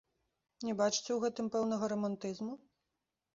Не бачыце ў гэтым пэўнага рамантызму?